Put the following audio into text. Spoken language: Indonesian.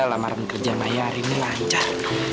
lamaran kerja maya hari ini lancar